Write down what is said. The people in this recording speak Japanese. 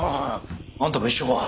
あんたも一緒か。